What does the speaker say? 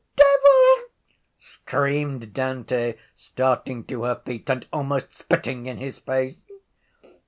Devil! screamed Dante, starting to her feet and almost spitting in his face.